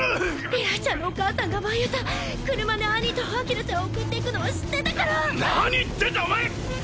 明日ちゃんのお母さんが毎朝車で兄と開良ちゃんを送っていくのは知ってたから何言ってんだお前！